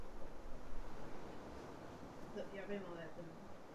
Objednána byla stavba šesti torpédoborců.